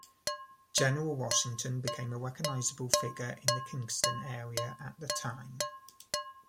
General Washington became a recognizable figure in the Kingston area at the time.